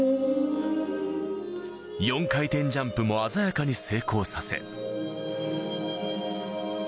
４回転ジャンプも鮮やかに成功させ。